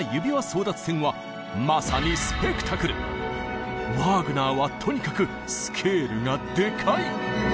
争奪戦はまさにワーグナーはとにかくスケールがでかい！